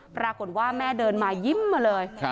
ปรากฏว่าแม่เดินมายิ้มมาเลย